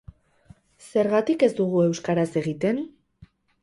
Zergatik ez dugu euskaraz egiten?